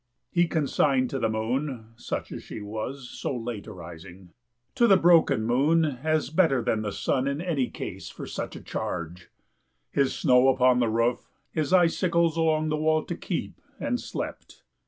He consigned to the moon, such as she was, So late arising, to the broken moon As better than the sun in any case For such a charge, his snow upon the roof, His icicles along the wall to keep; And slept.